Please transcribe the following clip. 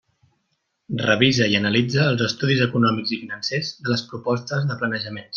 Revisa i analitza els estudis econòmics i financers de les propostes de planejaments.